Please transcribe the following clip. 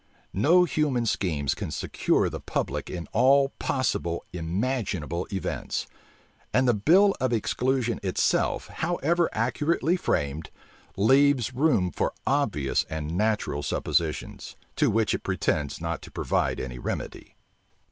No human schemes can secure the public in all possible, imaginable events; and the bill of exclusion itself however accurately framed, leaves room for obvious and natural suppositions, to which it pretends not to provide any remedy.